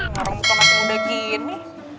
ngaruh muka masih muda gini